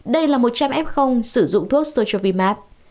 đây là một trăm linh f sử dụng thuốc sochovimate